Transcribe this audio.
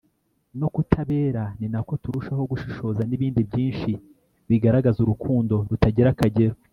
no kutabera ni na ko turushaho gushishora nibindi byinshi bigaragazurukundo rutagirakagero